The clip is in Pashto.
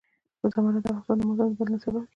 زمرد د افغانستان د موسم د بدلون سبب کېږي.